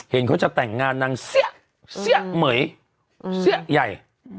เห็นเขาจะแต่งงานนางเสี้ยเสี้ยเหม๋ยเสี้ยใหญ่